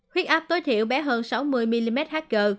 huyết áp tối thiệu bé hơn sáu mươi mmhg